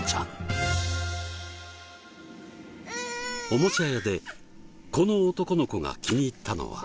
おもちゃ屋でこの男の子が気に入ったのは。